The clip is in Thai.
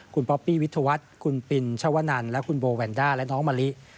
คุณป๊อปปี้วิทยาวัฒน์คุณปินชวนันและคุณโบแวนด้าและน้องมะลิ